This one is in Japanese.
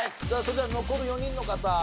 それでは残る４人の方。